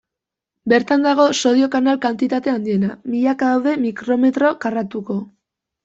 Bertan dago sodio kanal kantitate handiena, milaka daude mikrometro karratuko.